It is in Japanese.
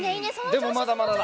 でもまだまだだ。